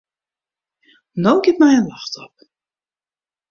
No giet my in ljocht op.